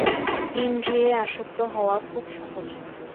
ইন্দ্রিয়ে আসক্ত হওয়া খুব সহজ।